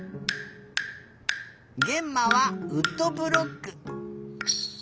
げんまはウッドブロック。